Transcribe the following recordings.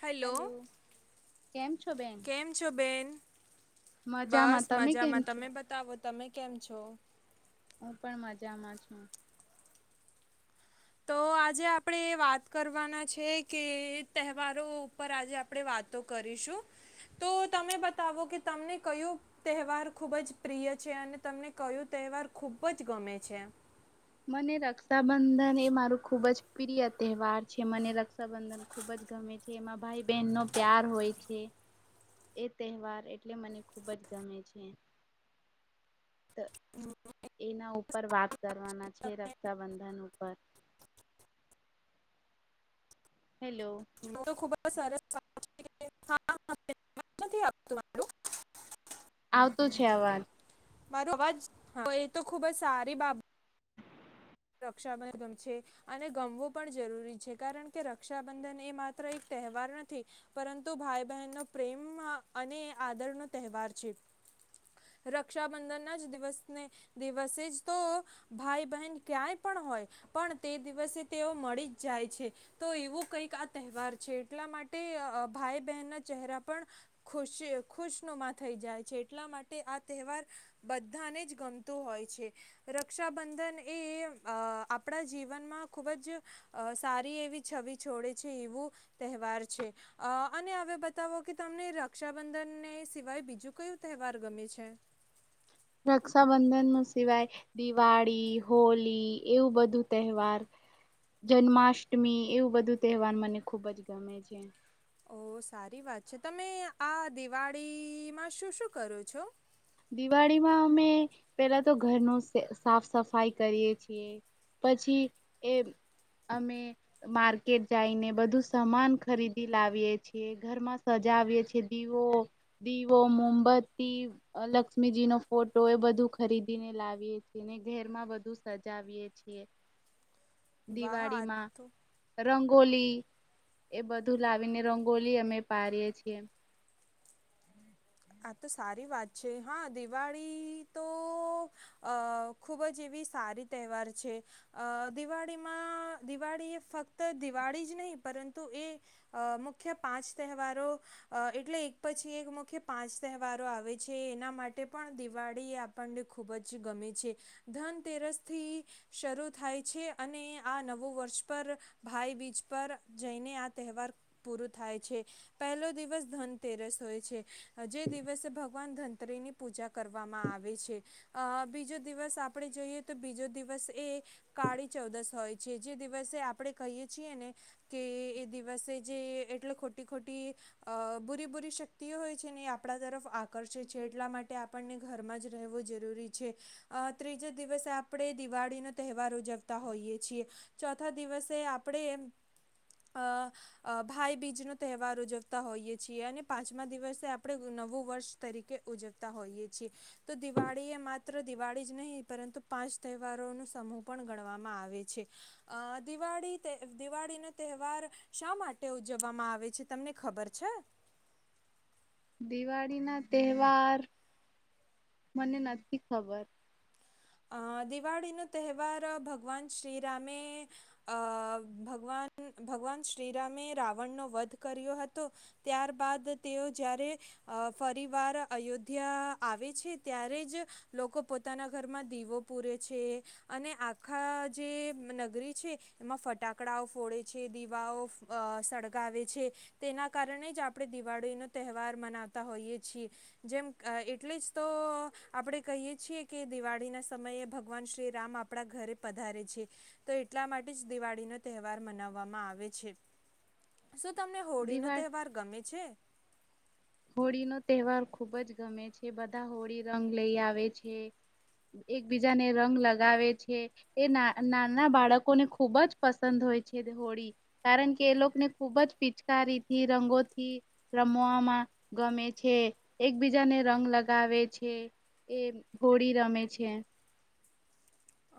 Hello hello કેમ છો બેન કેમ છો બેન? બસ મજામાં તમે કેમ મજામાં, છો તમે બતાવો તમે કેમ છો? હું પણ મજામાં છું. તો. આજે આપણે વાત કરવાના છે કે તહેવારો ઉપર આજે આપણેે વાતો કરીશું. શું. તો તમે બતાવો કે તમને કયું તહેવાર ખુબ જ પ્રિય છે અને તમને કયું ત. તહેવાર ખૂબ જ ગમે છે. મને રક્ષાબંધન એ મારું ખુબ જ પ્રિય તહેવાર છે. મને રક્ષાબંધન ખુબ જ ગમે છે, એમાં ભાઈ બહેન નો પ્યાર હોય છે. એ તહેવાર એટલે મને ખૂબ જ ગમે છે. એના ઉપર વાત કરવાના છે રક્ષાબંધન ઉપર, [unintelligible] [inaudible] હેલો તો ખુબ જ સરસ [inaudible] આવતો છે અવાજ. મારો અવાજ એ તો ખુબ જ સારી બાબત. રક્ષાબંધન ગમ છે અને ગમવું પણ જરૂરી છે કારણ કે રક્ષાબંધન એ માત્ર એક તહેવાર નથી પરંતુ ભાઈ બહેનનો પ્રેમ અને આદરનો તહેવાર છે. રક્ષાબંધન જ દિવસને દિવસે જ તો ભાઈ બહેન ક્યાંય પણ હોય પણ તે દિવસે તેઓ મળી જ જાય છે તો એવું કંઈક આ તહેવાર છે. છે એટલા માટે ભાઈ બહેન ના ચહેરા પણ ખુશી ખુશનુમા થઈ જાય છે. એટલા માટે આ તહેવાર બધાને જ ગમતો હોય છે. રક્ષાબંધન એ અ આપણા જીવનમાં ખૂબ જ સારી એવી છબી છોડે છે એવું તહેવાર છે. અને હવૂ બતાવો કે તમને રક્ષાબંધનને સિવાય બીજું કયું તહેવાર ગમે? છે. રક્ષાબંધન ન સિવાય દિવાળી, હોલી એવું બધું તહેવાર. જન્માષ્ટમી એવું બધું તહેવાર મને ખુબ જ ગમે છે. ઓ સારી વાત છે, તમે આ દિવાળીમાં શું શું કરો છો. દિવાળીમાં અમે પેલા તો ઘરનું સાફ સફાઈ કરીએ છીએ. પછી એ અમે માર્કેટ જાઈને બધું સમાન ખરીદી લાવીએ છીએ, ઘર માં સજા વીએ છીએ દીવો દીવો, મોમબત્તી, લક્ષ્મીજી નો ફોટો એ બધું ખરીદીને લાવીએ છીએ ને ઘેરમાં બધું સજાવીએ છીએ. [unintelligible] વાહ આ દિવાળીમાં તો રંગ રંગોલી એ બધું લાવીને રંગોલી અમે પાડીએ છીએ. આ તો સારી વાત છે, હા દિવાળી તો અ ખુબ જ એવી સારી તહેવાર છે દિવાળીમાં દિવાળી ફક્ત દિવાળી જ નહીં પરંતુ એ મુખ્ય પાંચ તહેવારો એટલે એક પછી એક મુખ્ય પાંચ તહેવારો આવે છે એના માટે પણ દિવાળી આપણને ખૂબ જ ગમે છે. ધનતેરસ થી શરૂ થાય છે અને આ નવું વર્ષ પર ભાઈ બીજ પર. જઈને આ તહેવાર પૂરો થાય છે. પહેલો દિવસ ધનતેરસ હોય છે. જે દિવસે ભગવાન ધનતરીની પૂજા કરવામાં આવે છે, અ બીજો દિવસ આપણે. જોઈએ તો બીજો દિવસ એ કાળી ચૌદશ હોય. છે. જે દિવસે આપડે કહીએ છીએ ને કે એ દિવસે જે એટલે ખોટી ખોટી. અ બુરી બુરી શક્તિઓ હોય છે. આપણા તરફ આકર્ષે છે એટલા માટે આપણને ઘરમાં જ રહેવું જરૂરી છે. જ દિવસે આપણે દિવાળી નો તહેવાર ઉજવતા હોઈએ છીએ, ચોથા દિવસે આપણેે અ ભાઈ બીજ નો તહેવાર ઉજવતા હોઈએ છીએ અને પાંચમા દિવસ. આપણે નવું વર્ષ તરીકે ઉજવતા હોઈએ છીએ તો દિવાળી એ માત્ર દિવાળી જ નહીં. પરંતુ પાંચ તહેવારો ની સમૂહ પણ ગણવામાં આવે છે અ દિવાળી તે દિવા. ળી નો તહેવાર શા માટે ઉજવવામાં આવે છે તમને ખબર છે દિવાળી ના તહેવાર મને નથી ખબર અ દિવાળી નો તહેવાર ભગવાન શ્રીરામે અ ભગવાન ભગવાન શ્રીરામે રાવણ નો વધ કર્યો હતો ત્યાર બાાદ તેઓ જ્યારે અ ફરી વાર અયોધ્યા આવે છે ત્યારે જ લોકો પોતાના ઘરમાં દીવો પુરે છે અને આખા જે નગરી છે એમાં ફટાકડાઓ ફોડ છે દીવાઓ અ સળગાવે છે તેના કારણે જ આપણે દિવાળીનો તહેવાર મ નાવતાં હોઈએ છીએ જેમ અ એટલે જ તો આપણેે કહીયે છીએ કે દિવાળીના સમયે ભગવાન શ્રી રામ આપણા ઘરે પધારે છે તો એટલા માટે જ દિવાળી નો તહેવાર મનાવ વામા આવે છે શું તમને હોળી નો દિવાળી તહેવાર ગમે છે. હોળી નો તહેવાર ખુબ જ ગમે છે બધા હોળી રંગ લઈ આવે છે. એકબીજાને રંગ લગાવે છે એ ના નાના બાળકોને ખુબ જ પસંદ. હોય છે હોળી કારણ કે એ લોકને ખુબ જ પિચકારીથી રંગોથી રમવામાં. ગમે છે એકબીજાને રંગ લગાવે છે. એ હોળી રમે છે.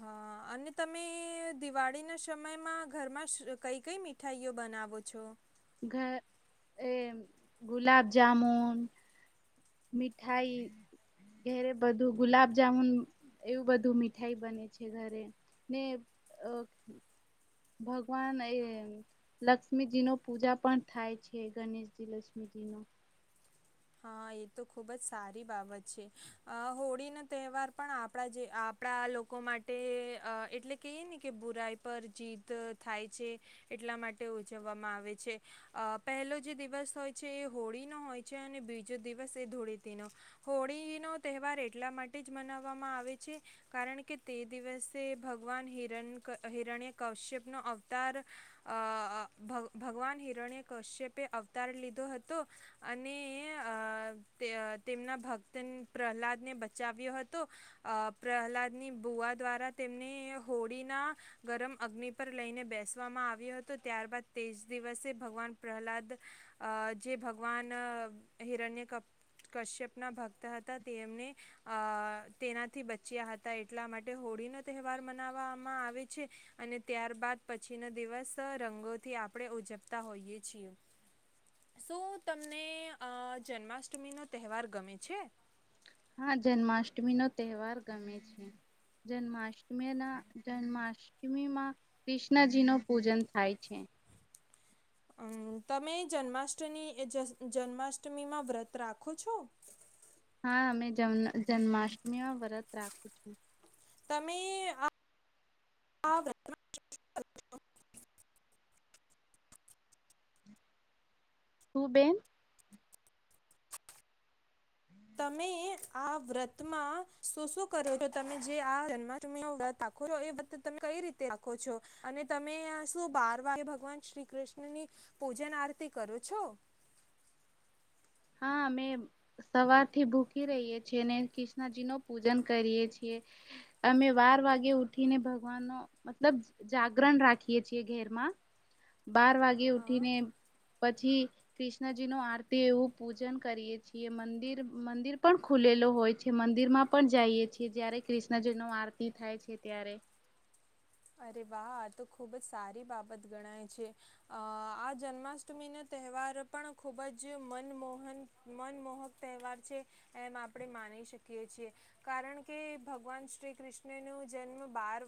હ અને તમે દિવાળીના સમયમાં ઘરમાં સ કઈ કઈ મીઠાઈઓ બના નાવો છો ઘ એ ગુલાબ જામૂન મીઠાઈ ઘેરે બધું ગુલાબ જામુન. એવું બધું મીઠાઈ બને છે ઘરે ને અ. ભગવાન એ લક્ષ્મીજી નો પૂજા પણ થાય છે ગણેશજી લક્ષ્મી જી હ. હ એ તો ખુબ જ સારી બાબત છે અ હોળીનો તહેવાર પણ આપણા જે આ પળા લોકો માટે અ એટલે કહીએ ને કે બુરાઈ પર જીત થાય છે એટલા માટે ઉજવવામાં આવે છે અ પહેલો જે દિવસ હોય છે એ હોળીનો હોય છે અને બીજો દિવસ એ ધૂળેટી નો હોળી નો તહેવાર એટલા માટે જ મનાવવામાં આવે છે કારણ કે તે દિવસે ભગવાન હિરણ હિરણ્ય કશ્યપ નો અવતાર અ ભ ભગવાન હિરણ્ય કશ્યપે અવતાર લીધો હતો અને અ તે અ તેમના ભક્ત પ્રહલાદ ને બચાવ્યો હતો અ પ્રહલાદ ની કુવા દ્વારા તેમને હોળીના ગરમ અગ્નિ પર લઈને બેસવામાં આવ્યો હતો ત્યારબદ તેજ દિવસે ભગવાન પ્રહલાદ અ જે ભગવાન હિરણ્ય કપ કશ્યપ ના ભક્ત હતા તેમને અ તેનાથી બચ્યા હ તા એટલા માટે હોળી નો તહેવાર મનાવામાં આવે છે અને ત્યાર બાદ પછી નો દિવસ રંગોથી આપણે ઉજવતા હોઈએ છીએ શું તમને અ જન્માષ્ટમીનો તહેવાર ગમે છે હા જન્માષ્ટમી નો તહેવાર ગમે છે જન્માષ્ટમીના જન્માષ્ટમીમાં કૃષ્ણજી નું પૂજન થાય છે અ તમે જન્માષ્ટની જ જન્માષ્ટમીમાં વ્રત રાખો છો [inaudible] હા અમે જન્મ જન્માષ્ટમીમાં વ્રત રાખું છું તમે આ [unintelligible] તું બેન તમે આ વ્રતમાં શું શું કરો છો તમે જે આ જન્માષ્ટમી નું વ્રત આપ ખોલો એ વ્રત તમે કઈ રીતે રાખો છો અને તમે શું બાર વાગે ભગવાન શ્રી કૃષ્ણ ની પૂજન આરતી કરો છો હ અમે સવારથી ભૂકી રહીએ છીએ ને કૃષ્ણજી નો પૂજન કરીએ છીએ અમે વાર વાગે ઉઠીને ભગવાન નો મતલબ જાગરણ રાખીએ છીએ ઘેર માં [inaudible] બાર વાગે હા. ઉઠીને પછી કૃષ્ણજી નું આરતી એવું પૂજન કરીએ છીએ, મંદિર મંદિર પણ ખુલેલો હોય છે, મંદિરમાં પણ જાઈએ છીએ, જયારે કૃષ્ણજીનો આરતી થાય છે, ત્યારે અરે વાહ આ તો ખુબજ સારી બાબત ગણાય છે, અ આ જન્માષ્ટમીને તહેવાર પણ ખૂબજ મનમોહન મનમોહક તહેવાર છે, એમ આપણે માન શકીએ છીએ, કારણ કે ભગવાન શ્રી કૃષ્ણનો જન્મ બાર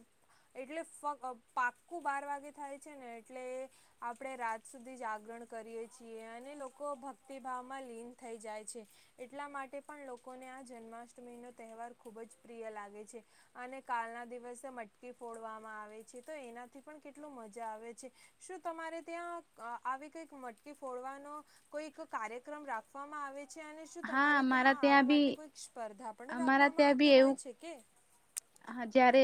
એટલે ફક્ પાક્કું બાર વાગે થાય છે, ને એટલે આપણે રાત સુધી જાગરણ કરીએ છીએ, અને લોકો ભક્તિભાવમાં લીન થઈ જાય છે. એટલા માટે પણ લોકોને જન્માષ્ટમીનો, તહેવાર ખુબજ પ્રિય લાગે છે. અને કાલના દિવસે મટકી ફોડવામાં આવે છે તો એનાથી પણ કેટલું મજા આવે છે શું તમારે ત્યાં આવી મટકી ફોડવાનો કોઈક કાર્યક્રમ રાખવામાં આવે છે અને શું હા તમારે અમારા ત્યાં આવા બી માટે કોઈ સ્પર્ધા પણ અમારા રાખવામાં ત્યાં બી આવતો એવું હોય છે કે હા જ્યારે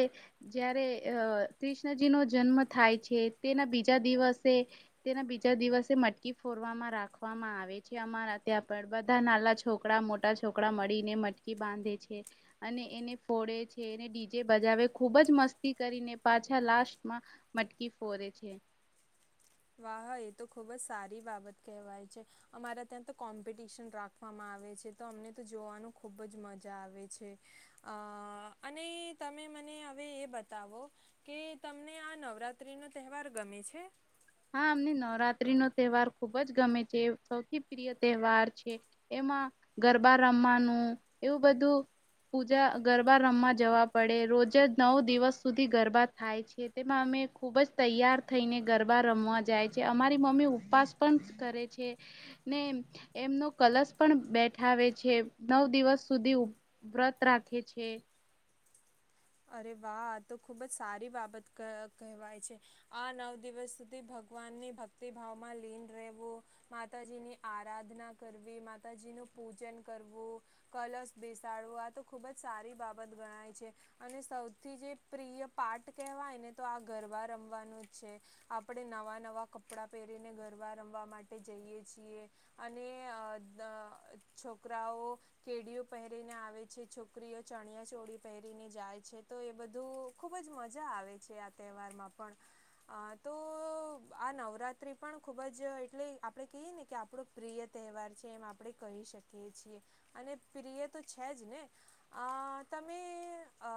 જ્યારે અ કૃષ્ણજીનો જન્મ થાય છે તેના બીજા દિવ દિવસે તેના બીજા દિવસે મટકી ફોડવામાં રાખવામાં આવે છે અમારા ત્યાં પણ બધા નાલા છોકડા મોટા છોકડા મળીને મટકી બાંધે છે અને એને ફોડે છે. કે ને ડીજે બજાવે ખુબ જ મસ્તી કરીને પાછા લાસ્ટમાં મટકી ફોરે છે [inaudible] વાહા એ તો ખુબ જ સારી બાબત કહેવાય છે અમારા ત્યાં તો કોમ્પિટશન રાખવામાં આવે છે તો એમને તો જોવાનું ખુબ જ મજા આવે છે અ અને તમે મને હવે એ બતાવો કે તમને આ નવરાત્રીનો તહેવાર ગમે છે હા અમને નવરાત્રીનો તહેવાર ખુબ જ ગમે છે એ સૌથી પ્રિય તહેવાર છે એમાં ગરબા રમવાનું એવું બધું પૂજા ગરબા રમવા જવા પડે રોજ નવ દિવસ સુધી ગરબા થાય છે તેમાં અમે ખુબજ તૈયાર, થઈને ગર બા રમવા જાય છે, અમારી મમ્મી ઉપવાસ પણ કરે છેને, એમનો કલશ પણ બેઠાવે છે, નવ દિવસ સુધી વ્રત રાખે છે. અરે વાહ તો ખુબ જ સારી બાબત ક કહેવાય છે, આ નવ દિવસ સુધી ભ ભગવાનની ભક્તિ, ભાવમાં લીન રહેવુ માતાજી ની આરાધના કરવી માતાજીનુ પૂજન કરવુ કલશ બેસાડવું આ તો ખુબ જ સારી બાબત ગણાય છે. અને સૌથી જે પ્રિય પાર્ટ કહેવાય ને તો આ ગરબા રમવાનું જ છે, આપણે નવા નવા કપડા પહેરીને, ગરવા રમવા માટે જઈએ છીએ, અને અ દ છોકરાઓ કેડીયુ પહેરીને આવે છે, છોકરીઓ ચણિયાચોડી પહેરીને જાય છે, તો એ બધું ખૂબ જ મજા આવે છે, આ તહેવારમાં પણ અ તો આ નવરાત્રી પણ ખૂબ જ એટલે આપણે કહીએ. ને કે આપણો પ્રિય તહેવાર છે, એમ આપણે કહી શકીએ છીએ, અને પ્રિય તો છે, જ ને અ તમે અ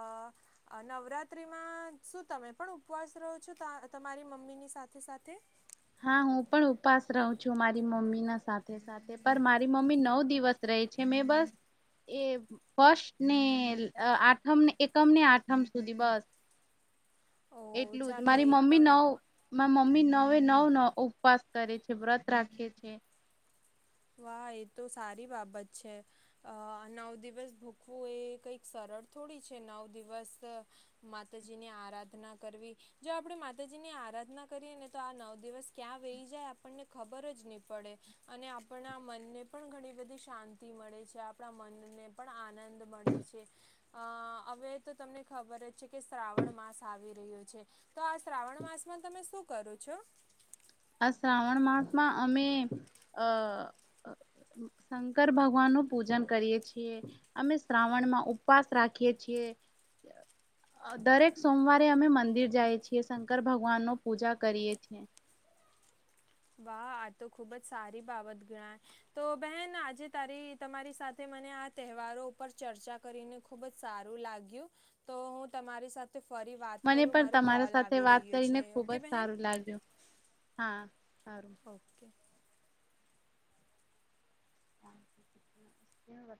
અ નવરાત્રીમા શું તમે પણ ઉપવાસ રહો છો, ત તમારી મમ્મીની સાથે -સાથે હા, હું પણ ઉપવાસ રહુ છુ. મારી મમ્મીના સાથે સાથે પણ મારી મમ્મી નવ દિવસ રહે છે, મેં બસ એ ફસ્ટ, ને અ આઠમને એકમ ને આઠમ સુધી બસ ઓ એટલુ, જ ચાલો એ મારી મમ્મી પણ નવ મારી મમ્મી નવ નવે નવ ઉપવાસ કરે છે, વ્રત રાખે છે. વાહ એ તો સારી બાબત છે, નવ દિવસ ભૂખવું એ કઈક સર થોડી છે, નવ દિવસ માતાજી ની આરાધના કરવી જો આપણે માતાજીની આરાધના કરીએ ને, તો આ નવ દિવસ ક્યાં વહી જાય આપણને ખબર જ નહી, પડે અને આપ આપણા મનને પણ ઘણી બધી શાંતિ મળે છે, આપણા મનને પણ આનંદ મળે છે. અ હવે તો તમને ખબર જ છે, કે શ્રાવણ માસ આવી રહ્યો છે. તો આ શ્રાવણ માસ માસમાં તમે શું કરો છો. આ શ્રાવણ માસમા અમે અ શંકર ભગવાનનુ પૂજન કરીએ છીએ અમે શ્રાવણમાં ઉપવાસ રાખીએ છીએ. [inaudible] દરેક સોમવારે. વાહ આ તો ખુબ જ સારી બાબત ગણાય તો બેહેન આજે તારી તમારી સાથે મને. આ તહેવારો ઉપર ચર્ચા કરીને ખુબ જ સારું લાગ્યું તો હું તમારી સાથે. ફરી વાત મને કરું પણ મારું તમારા કોલ સાથે આવી વાત રહ્યું કરીને છે ખુબ જ ઓકે બહેન સારું લાગ્યું હા. સારું ઓકે [unintelligible]